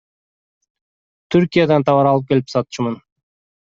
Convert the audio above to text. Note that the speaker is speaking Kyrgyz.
Түркиядан товар алып келип сатчумун.